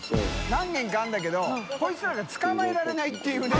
何軒かあるんだけどこいつらが捕まえられないっていうね。